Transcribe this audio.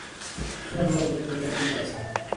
সুধাকান্তবাবু বললেন, ওরা কিন্তু আছে।